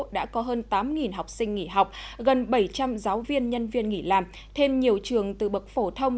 đã có hơn tám học sinh nghỉ học gần bảy trăm linh giáo viên nhân viên nghỉ làm thêm nhiều trường từ bậc phổ thông